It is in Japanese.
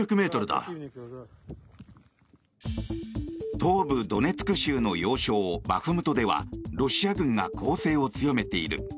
東部ドネツク州の要衝バフムトではロシア軍が攻勢を強めている。